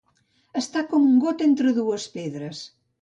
Estar com un got entre dues pedres.